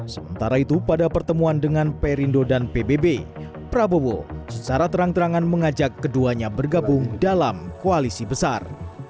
sementara itu pada pertemuan dengan perindo dan pbb prabowo secara terang terangan mengajak keduanya bergabung dalam koalisi besar